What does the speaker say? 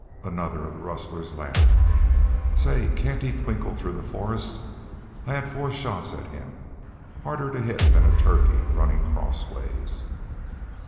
Another of the rustlers laughed. "Say, can't he twinkle through the forest? I had four shots at him. Harder to hit than a turkey runnin' crossways."